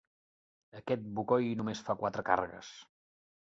Aquest bocoi només fa quatre cargues.